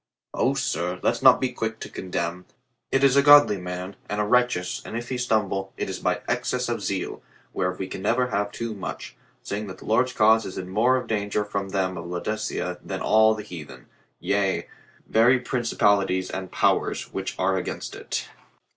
"O, sir, let's not be quick to condemn. It is a godly man and a righteous, and if he stumble, it is by excess of zeal, whereof we can never have too much, seeing that the Lord's cause is in more of danger from them of Laodicea than all the heathen, yea, very principalities and powers, which are against it."